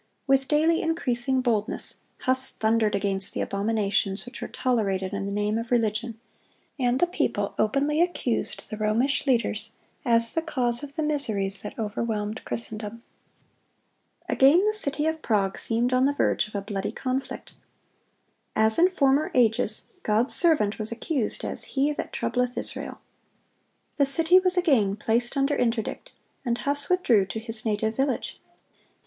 With daily increasing boldness, Huss thundered against the abominations which were tolerated in the name of religion; and the people openly accused the Romish leaders as the cause of the miseries that overwhelmed Christendom. Again the city of Prague seemed on the verge of a bloody conflict. As in former ages, God's servant was accused as "he that troubleth Israel."(132) The city was again placed under interdict, and Huss withdrew to his native village.